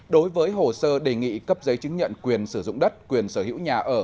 đối với hồ sơ đề nghị cấp giấy chứng nhận quyền sử dụng đất quyền sở hữu nhà ở